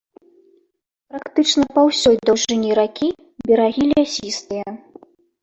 Практычна па ўсёй даўжыні ракі берагі лясістыя.